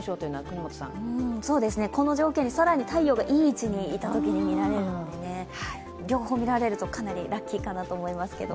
この条件に更に太陽がいい位置いたときに見られるので両方見られると、かなりラッキーかなと思います。